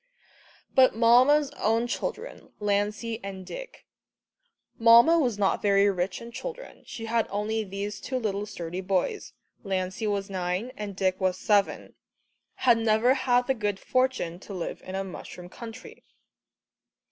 But Mamma's own children, Lancey and Dick Mamma was not very rich in children, she had only these two little sturdy boys, Lancey was nine and Dick was seven had never had the good fortune to live in a mushroom country.